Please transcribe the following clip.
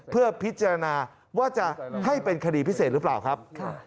เพื่อพิจารณาว่าจะให้เป็นคดีพิเศษหรือเปล่าครับ